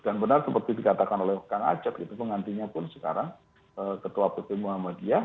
dan benar seperti dikatakan oleh kang acet gitu pengantinya pun sekarang ketua pt muhammadiyah